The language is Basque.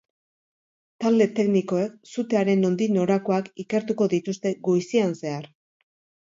Talde teknikoek sutearen nondik norakoak ikertuko dituzte goizean zehar.